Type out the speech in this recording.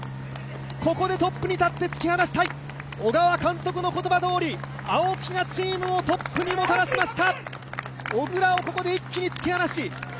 ここでトップに立って突き放したい小川監督の言葉どおり、青木がチームをトップにもたらしました。